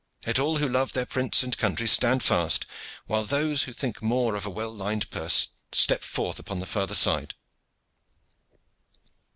Let all who love their prince and country stand fast, while those who think more of a well lined purse step forth upon the farther side."